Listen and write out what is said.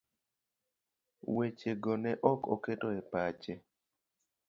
Weche go ne ok oketo e pache